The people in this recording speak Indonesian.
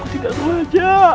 aku tidak terlalu aja